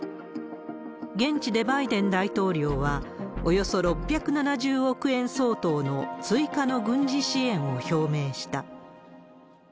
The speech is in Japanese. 現地でバイデン大統領は、およそ６７０億円相当の追加の軍事支援を表明した。